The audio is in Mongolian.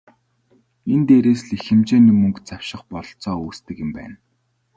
Энэ дээрээс л их хэмжээний мөнгө завших бололцоо үүсдэг юм байна.